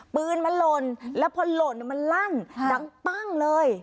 ปืนมันหล่นแล้วพอหล่นมันลั่นดังปั้งเลย